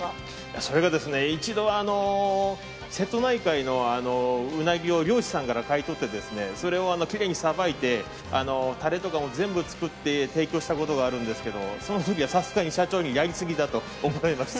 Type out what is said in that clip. それが一度、瀬戸内海のうなぎを漁師さんから買い取って、それをきれいにさばいて、たれとかも全部作って提供したことがあるんですけどそのときは、さすがに社長にやりすぎだと怒られました。